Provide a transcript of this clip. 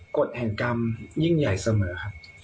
กฎแห่งกรรมยิ่งใหญ่เสมอครับ